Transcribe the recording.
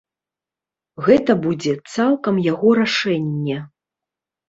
Гэта будзе цалкам яго рашэнне.